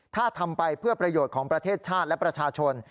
ถ้าทำไปเพื่อประโยชน์ของประเทศชาติและประชาชน